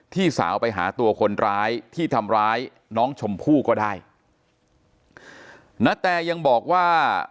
พี่สาวไปหาตัวคนร้ายที่ทำร้ายน้องชมพู่ก็ได้ณแตยังบอกว่า